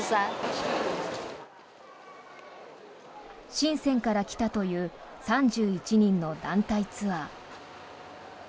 シンセンから来たという３１人の団体ツアー。